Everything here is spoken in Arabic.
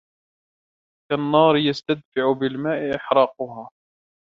كَالنَّارِ يُسْتَدْفَعُ بِالْمَاءِ إحْرَاقُهَا